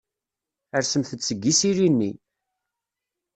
Rsemt-d seg yisili-nni.